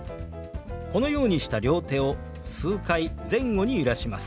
このようにした両手を数回前後に揺らします。